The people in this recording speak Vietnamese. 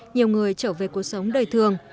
nhiều người trở về cuộc sống đời thường